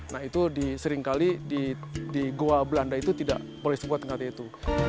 nah itu seringkali di goa belanda itu tidak boleh sekuat dengan itu